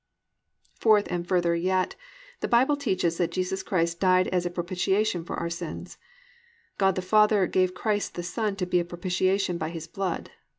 4. Fourth and further yet, the Bible teaches that Jesus Christ died as a propitiation for our sins. God the Father gave Christ the Son to be a propitiation by His blood.